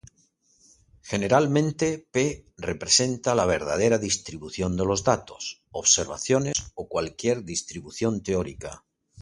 Generalmente "P" representa la "verdadera" distribución de los datos, observaciones, o cualquier distribución teórica.